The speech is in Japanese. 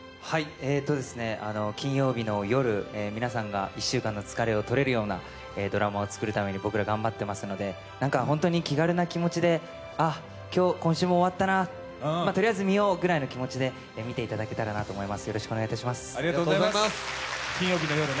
金曜日の夜、皆さんが１週間の疲れをとれるようなドラマをとれるように僕ら、頑張ってますので本当に気軽な気持ちで、今週も終わったな、とりあえず見ようぐらいの気持ちで見ていただければと思います。